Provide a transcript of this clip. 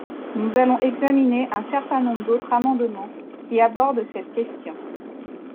Nous allons examiner un certain nombre d’autres amendements qui abordent cette question.